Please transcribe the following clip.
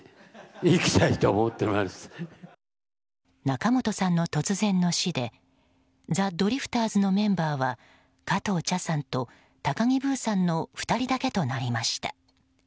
仲本さんの突然の死でザ・ドリフターズのメンバーは加藤茶さんと高木ブーさんの２人だけとなりました。